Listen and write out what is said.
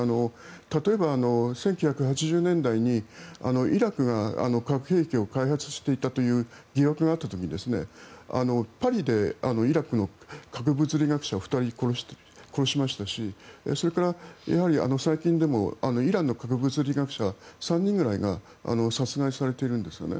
例えば、１９８０年代にイラクが核兵器を開発していたという疑惑があった時にパリでイラクの核物理学者を２人殺しましたしそれから、最近でもイランの核物理学者３人ぐらいが殺害されているんですね。